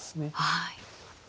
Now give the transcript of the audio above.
はい。